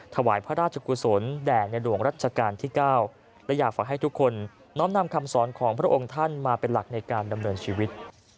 ถวายพระราชกุศลแด่ในหลวงรัชกาลที่๙และอยากฝากให้ทุกคนน้อมนำคำสอนของพระองค์ท่านมาเป็นหลักในการดำเนินชีวิต